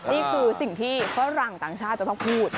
นี่คือสิ่งที่ฝรั่งต่างชาติจะต้องพูด